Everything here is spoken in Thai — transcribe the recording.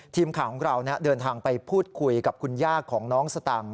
ทีมข่าวของเราเดินทางไปพูดคุยกับคุณย่าของน้องสตังค์